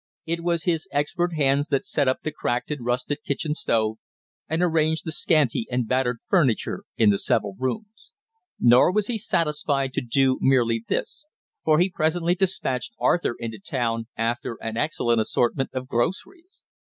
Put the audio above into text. It was his expert hands that set up the cracked and rusted kitchen stove, and arranged the scanty and battered furniture in the several rooms. Nor was he satisfied to do merely this, for he presently despatched Arthur into town after an excellent assortment of groceries.